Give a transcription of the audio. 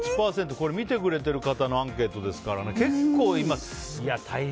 これ見てくれている方のアンケートですから結構いる。